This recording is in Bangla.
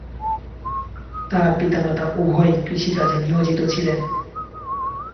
তার পিতামাতা উভয়ই কৃষিকাজে নিয়োজিত ছিলেন।